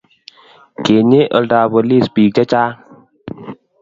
Kinyei oldab polis biik che chang'